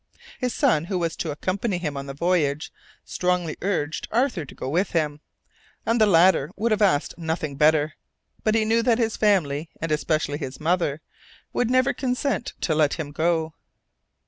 His son, who was to accompany him on the voyage, strongly urged Arthur to go with him, and the latter would have asked nothing better, but he knew that his family, and especially his mother, would never consent to let him go.